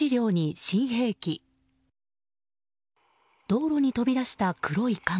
道路に飛び出した黒い影。